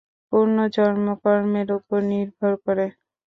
পুনর্জন্ম কর্মের উপর নির্ভর করে।